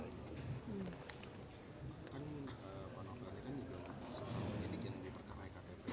kan pak nopi rani kan juga menjadikan lebih perkara ektp